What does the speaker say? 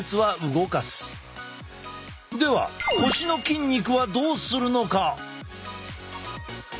では腰の筋肉はどうするのか？